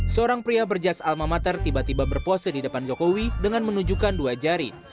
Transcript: seorang pria berjas alma mater tiba tiba berpose di depan jokowi dengan menunjukkan dua jari